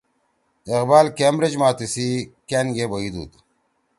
اقبال کیمبرج ما تیِسی کأن گے بیُودُود